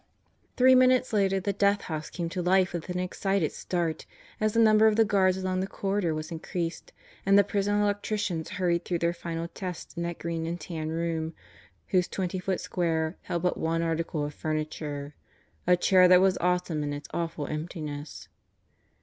Three minutes later the Death House came to life with an excited start as the number of the guards along the corridor was increased and the prison electricians hurried through their final tests in that green and tan room, whose twenty foot square held but one article of furniture a chair that was awesome in its awful emptiness.